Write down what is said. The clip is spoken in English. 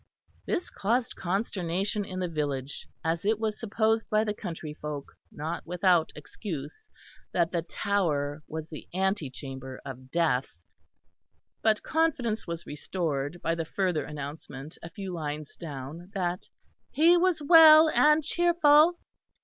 This caused consternation in the village, as it was supposed by the country folk, not without excuse, that the Tower was the antechamber of death; but confidence was restored by the further announcement a few lines down that "he was well and cheerful."